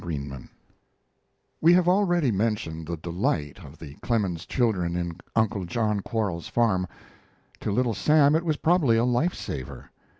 THE FARM We have already mentioned the delight of the Clemens children in Uncle John Quarles's farm. To Little Sam it was probably a life saver.